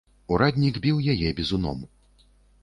Ураднік біў яе бізуном.